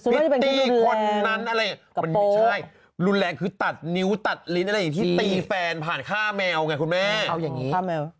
กระโปรรุนแรงคือตัดนิ้วตัดลิ้นอะไรอย่างงี้ที่ตีแฟนผ่านฆ่าแมวไงคุณแม่